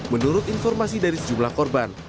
menurut informasi dari sejumlah korban